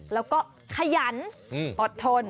แล้วก็ขยันอดทน